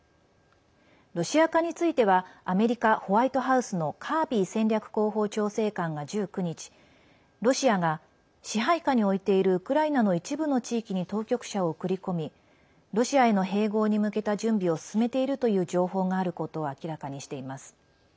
ロシア化についてはアメリカ・ホワイトハウスのカービー戦略広報調整官が１９日ロシアが支配下に置いているウクライナの一部の地域に当局者を送り込みロシアへの併合に向けた準備を進めているという情報があることを明らかにしています。